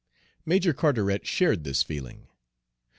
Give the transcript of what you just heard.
Major Carteret shared this feeling.